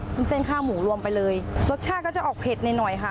มุ้นเส้นข้าวหมูรวมไปเลยรสชาติก็จะออกเผ็ดในน้อยค่ะ